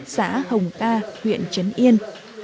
xã hồng ta huyện trấn yên